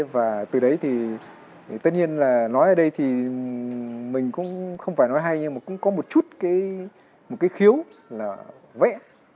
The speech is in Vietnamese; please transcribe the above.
và từ đấy thì tất nhiên là nói ở đây thì mình cũng không phải nói hay nhưng mà cũng có một chút một cái khiếu là vẽ